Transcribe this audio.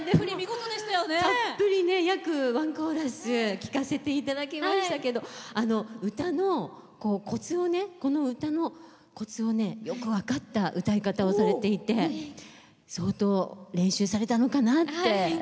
たっぷり約ワンコーラス聴かせていただきましたけどこの歌のコツをよく分かった歌い方をされていて相当練習されたのかなって。